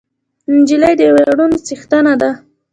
نجلۍ د ویاړونو څښتنه ده.